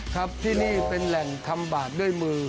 ครับที่นี่เป็นแหล่งทำบาดด้วยมือ